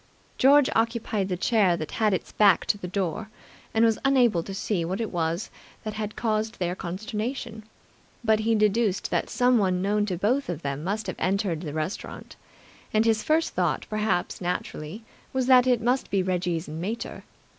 George occupied the chair that had its back to the door, and was unable to see what it was that had caused their consternation; but he deduced that someone known to both of them must have entered the restaurant; and his first thought, perhaps naturally, was that it must be Reggie's "mater".